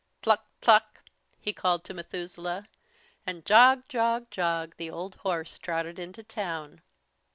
"Tluck, tluck!" he called to Methuselah, and jog, jog, jog, the old horse trotted into town.